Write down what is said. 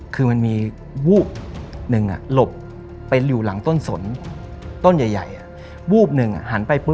คือมันมีวูบหนึ่งหลบไปอยู่หลังต้นสนต้นใหญ่วูบหนึ่งหันไปปุ๊